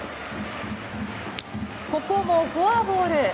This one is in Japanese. ここもフォアボール。